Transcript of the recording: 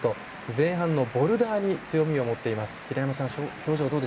前半のボルダーに強みを持っています。